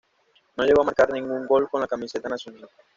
No llegó a marcar ningún gol con la camiseta nacional.